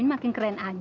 ini mau ke surga